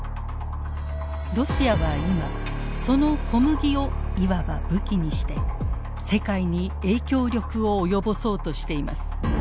ロシアは今その小麦をいわば武器にして世界に影響力を及ぼそうとしています。